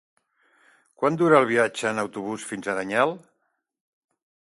Quant dura el viatge en autobús fins a Aranyel?